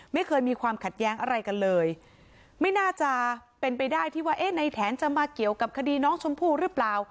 ไม่เคยมีความขัดแย้งอะไรกันเลยไม่น่าจะเป็นไปได้ที่ว่าเอ๊ะในแถนจะมาเกี่ยวกับคดีน้องชมพู่หรือเปล่า